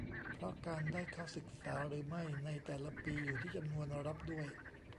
เพราะการได้เข้าศึกษาหรือไม่ในแต่ละปีอยู่ที่จำนวนรับด้วย